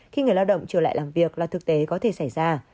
khi người lao động trở lại làm việc là thực tế có thể xảy ra